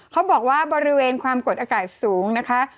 เขาบอกว่าบริเวณความกดอากาศสูงนะคะ